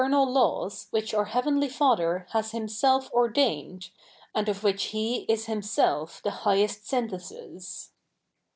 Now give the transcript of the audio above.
'nal laws which our Heavenly Father has Himself ordained, ajid of which He is Himself the highest synthesis.